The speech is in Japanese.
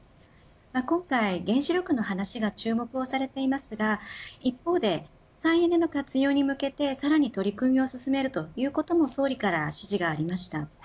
今回、原子力の話が注目をされていますが一方で再エネの活用に向けてさらに取り組みを進めるということも総理から指示がありました。